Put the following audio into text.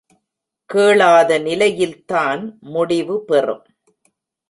கேளாத நிலையில் தான் முடிவு பெறும்.